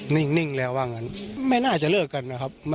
นิ่งแล้วว่างั้นไม่น่าจะเลิกกันนะครับ